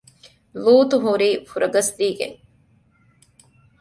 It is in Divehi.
ލޫޠު ހުރީ ފުރަގަސްދީގެން